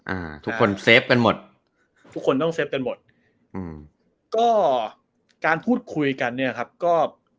อ่าทุกคนเซฟกันหมดทุกคนต้องเฟฟกันหมดอืมก็การพูดคุยกันเนี้ยครับก็